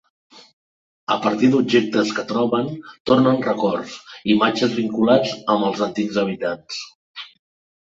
A partir d'objectes que troben, tornen records, imatges vinculats amb els antics habitants.